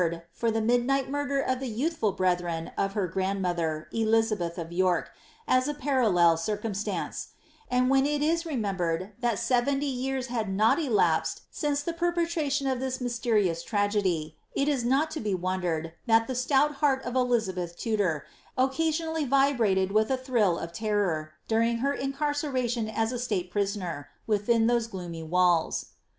for the midnight murder of the jrouthfnl brethioi of her grandmother, FUizabeth of York, as a parallel circumstance; and when it is remembered that seventy years had not elapsed since the per* petration of that mysterious tragedy, it is not to be wondered, that the stout heart of Elizabeth Tudor, occasionally vibrated with a thrill of terror, during her incarceration as a state prisoner, within thoee gloomy walls.